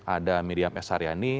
ada miriam s saryani